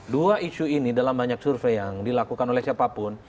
dua isu ini dalam banyak survei yang dilakukan oleh siapapun